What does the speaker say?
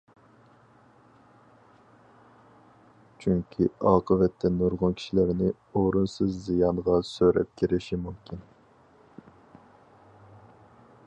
چۈنكى ئاقىۋەتتە نۇرغۇن كىشىلەرنى ئورۇنسىز زىيانغا سۆرەپ كىرىشى مۇمكىن.